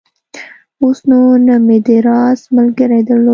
اوس نو نه مې د راز ملګرى درلود.